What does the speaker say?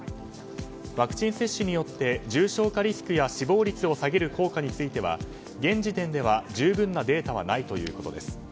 ワクチン接種によって重症化リスクや死亡率を下げる効果については現時点では十分なデータはないということです。